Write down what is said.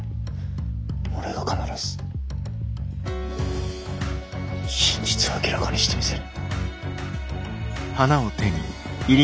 俺が必ず真実を明らかにしてみせる。